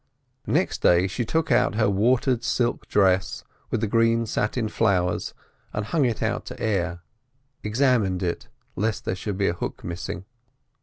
Next day she took out her watered silk dress, with the green satin flowers, and hung it up to air, examined it, lest there should be a hook missing.